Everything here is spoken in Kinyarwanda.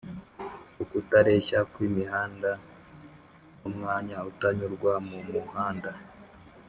ukutareshya kw' imihanda n' umwanya utanyurwa mumuhanda